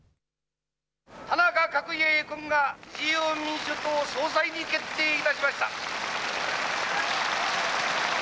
田中角栄君が自由民主党総裁に決定いたしました。